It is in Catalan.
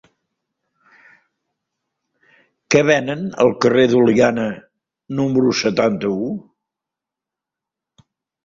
Què venen al carrer d'Oliana número setanta-u?